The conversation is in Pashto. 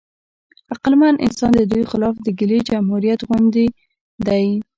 عقلمن انسان د دوی خلاف د کیلې جمهوریت غوندې دی.